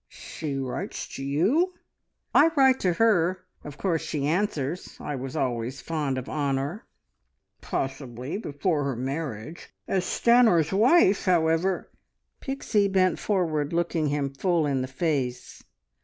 "She writes to you?" "I write to her! Of course she answers. I was always fond of Honor." "Possibly. Before her marriage. As Stanor's wife, however " Pixie bent forward, looking him full in the face.